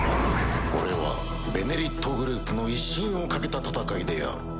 これは「ベネリット」グループの威信を懸けた戦いである。